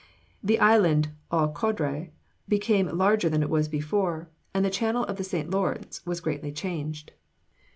The island Aux Coudres became larger than it was before, and the channel of the St. Lawrence was greatly changed."